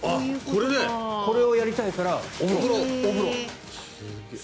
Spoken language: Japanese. これをやりたいからお風呂って。